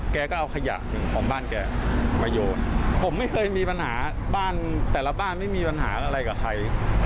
แกก็เอาขยะของบ้านแกมาโยนผมไม่เคยมีปัญหาบ้านแต่ละบ้านไม่มีปัญหาอะไรกับใคร